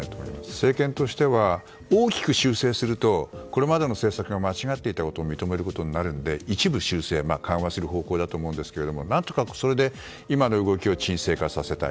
政権としては、大きく修正するとこれまでの政策が間違っていたことを認めることになるので一部修正や緩和する方向だと思うんですけれども何とか、それで今の動きを鎮静化させたい。